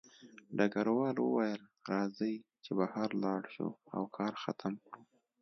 ډګروال وویل راځئ چې بهر لاړ شو او کار ختم کړو